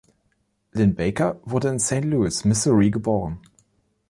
Linn-Baker wurde in Saint Louis, Missouri, geboren.